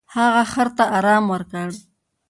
هغه خر ته ارام ورکړ.